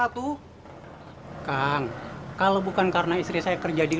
jangan buat yang pigutan